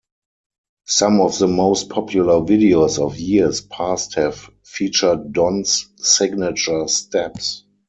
Some of the most popular videos of years past have featured Don's signature steps.